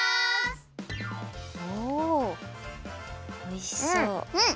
おおいしそう。